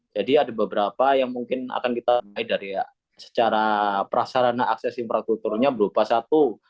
jadi ada beberapa yang mungkin akan kita temui dari secara prasarana akses infrastrukturnya berupa satu